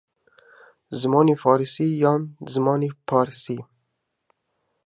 زمانی فارسی یان زمانی پارسی